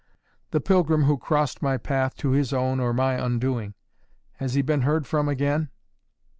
"The pilgrim who crossed my path to his own or my undoing. Has he been heard from again?"